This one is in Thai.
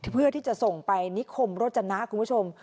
เพื่อที่จะส่งไปนิคมโรจนะคุณผู้ชม